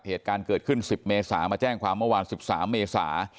เหตุการณ์เกิดขึ้น๑๐เมษามาแจ้งความเมื่อวาน๑๓เมษา